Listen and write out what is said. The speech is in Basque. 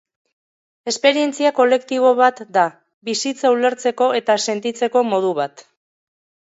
Esperientzia kolektibo bat da, bizitza ulertzeko eta sentitzeko modu bat.